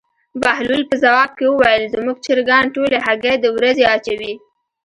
بهلول په ځواب کې وویل: زموږ چرګان ټولې هګۍ د ورځې اچوي.